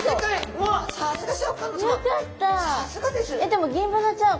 でもギンブナちゃん